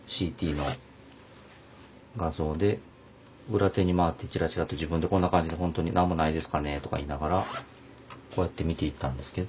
裏手に回ってチラチラと自分でこんな感じで本当に「何もないですかね」とか言いながらこうやって見ていったんですけど。